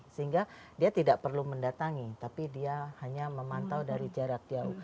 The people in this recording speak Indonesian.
sehingga dia tidak perlu mendatangi tapi dia hanya memantau dari jarak jauh